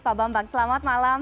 pak bambang selamat malam